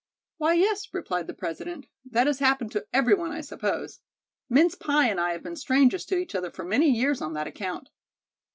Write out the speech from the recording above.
"Why, yes," replied the President, "that has happened to every one, I suppose. Mince pie and I have been strangers to each other for many years on that account."